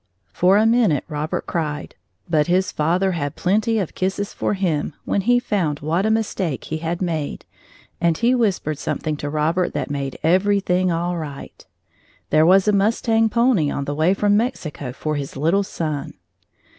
For a minute Robert cried, but his father had plenty of kisses for him when he found what a mistake he had made, and he whispered something to Robert that made everything all right. There was a mustang pony on the way from Mexico for his little son!